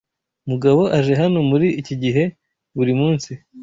Mugabo aje hano muri iki gihe buri munsi.